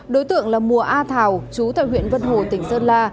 đối tượng là mùa a thào chú tại huyện vân hồ tỉnh sơn la